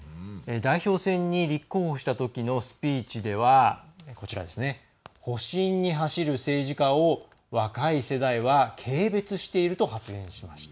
代表戦に立候補したときのスピーチでは保身に走る政治家を若い世代は軽蔑していると発言しました。